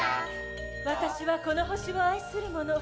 私はこの星を愛する者。